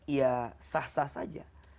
ya sah sah saja